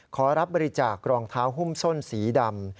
ขอรับบริจาครองเท้าหุ้มส้นสีดำ